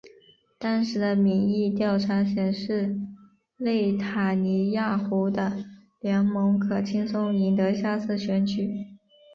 当时的民意调查显示内塔尼亚胡的联盟可轻松赢得下次选举。